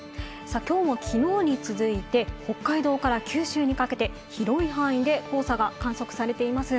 今日も昨日に続いて北海道から九州にかけて広い範囲で黄砂が観測されています。